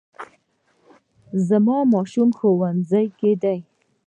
زما ماشوم ښوونځي کې دی